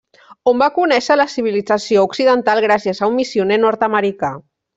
On va conèixer la civilització occidental gràcies a un missioner nord-americà.